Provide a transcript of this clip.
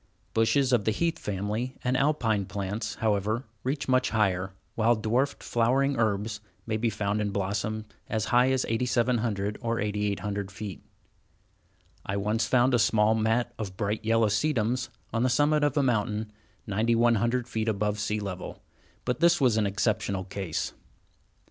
Bushes of the heath family and Alpine plants, however, reach much higher, while dwarfed flowering herbs may be found in blossom as high as 8700 or 8800 feet. I once found a small mat of bright yellow sedums on the summit of a mountain, 9100 feet above sea level, but this was an exceptional case.